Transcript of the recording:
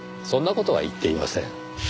そんな事は言っていません。